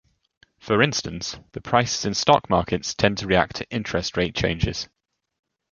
For instance, the prices in stock markets tend to react to interest rate changes.